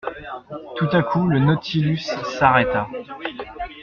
Tout à coup le Nautilus s'arrêta.